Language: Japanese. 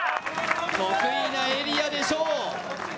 得意なエリアでしょう。